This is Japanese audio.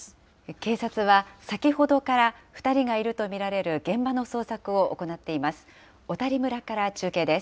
警察は先ほどから２人がいると見られる、現場の捜索を行っています。